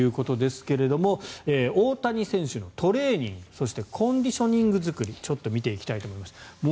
中国戦ということですが大谷選手のトレーニングそしてコンディショニング作りちょっと見ていきたいと思います。